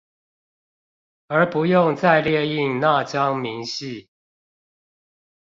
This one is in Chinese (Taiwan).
而不用再列印那張明細